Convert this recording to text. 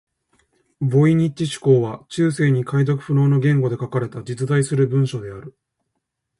名探偵コナンのラスボスは誰なのか